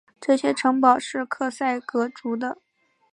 这些城堡是克塞格族的。